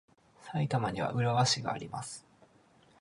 埼玉には浦和市があります。